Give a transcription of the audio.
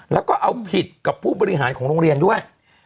แล้วก็เอาผิดกับผู้บริหารของโรงเรียนด้วย